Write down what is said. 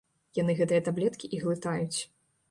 Яны гэтыя таблеткі і глытаюць.